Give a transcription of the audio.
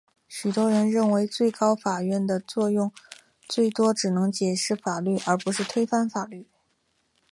许多人认为最高法院的作用最多只能解释法律而不能推翻法律。